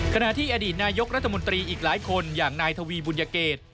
ขณะที่อดีตนายกรัฐมนตรีอีกหลายคนอย่างนายทวีบุญเกต